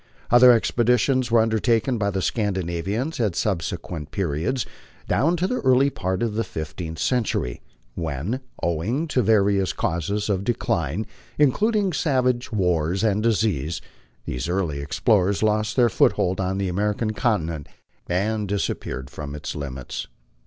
Other expeditions were undertaken by the Scandinavians at subsequent periods down to the early part of the fifteenth century, when, owing to various causes of decline, in cluding savage wars and disease, these early explorers lost their foothold on the American continent and disappeared from its limits.